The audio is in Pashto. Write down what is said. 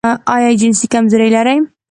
ایا جنسي کمزوري لرئ؟